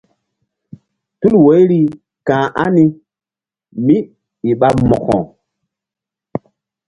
Tul woiri ka̧h ani kémíi ɓa mo̧ko?